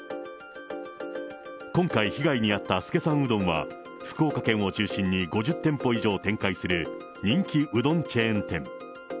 今回、被害に遭った資さんうどんは、福岡県を中心に５０店舗以上展開する、人気うどんチェーン店。